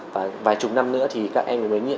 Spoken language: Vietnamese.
và vài chục năm nữa thì các em mới